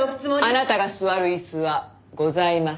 あなたが座る椅子はございません。